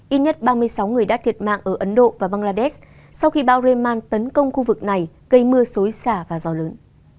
ít nhất ba mươi sáu người đã thiệt mạng ở ấn độ và bangladesh sau khi bão raeman tấn công khu vực này gây mưa xối xả và gió lớn